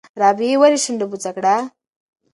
رابعې ولې شونډه بوڅه کړه؟